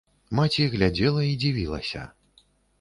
Маці глядзела і дзівілася.